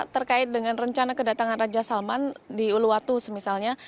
terkait dengan rencana kedatangan raja salman di uluwatu semisalnya